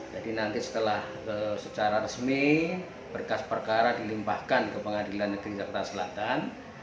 jadi nanti setelah secara resmi berkas perkara dilimpahkan ke pengadilan negeri jakarta selatan